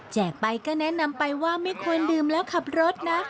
ไปก็แนะนำไปว่าไม่ควรดื่มแล้วขับรถนะ